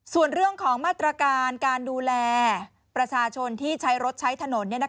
ส่วนเรื่องของมาตรการการดูแลประชาชนที่ใช้รถใช้ถนน